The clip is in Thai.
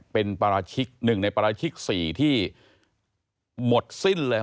เป็นปราชิกหนึ่งในปราชิก๔ที่หมดสิ้นเลย